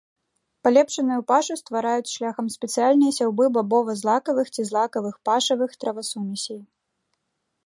Палепшаную пашу ствараюць шляхам спецыяльнай сяўбы бабова-злакавых ці злакавых пашавых травасумесей.